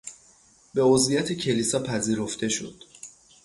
به عضویت کلیسا پذیرفته شد.